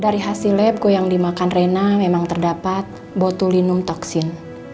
dari hasil lab go yang dimakan rena memang terdapat botulinum toksin